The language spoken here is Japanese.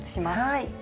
はい。